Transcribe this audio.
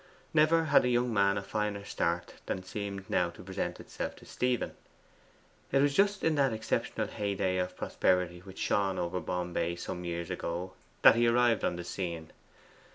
Never had a young man a finer start than seemed now to present itself to Stephen. It was just in that exceptional heyday of prosperity which shone over Bombay some few years ago, that he arrived on the scene.